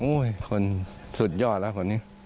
คนสุดยอดแล้วคนนี้